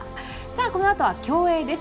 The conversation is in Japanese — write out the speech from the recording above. このあとは競泳です。